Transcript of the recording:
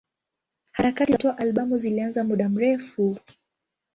Harakati za kutoa albamu zilianza muda mrefu.